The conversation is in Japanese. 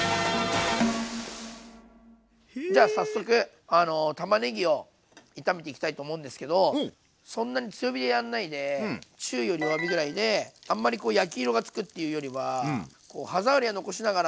じゃあ早速たまねぎを炒めていきたいと思うんですけどそんなに強火でやんないで中より弱火ぐらいであんまりこう焼き色が付くっていうよりは歯触りは残しながらも火を入れていくイメージですね。